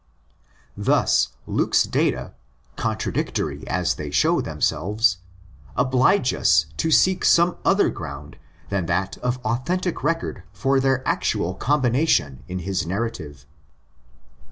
Thus, Luke's data, contradictory as they show themselves, oblige us to seek some other ground than that of authentic record for their actual combination in his narrative.